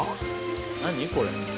何これ？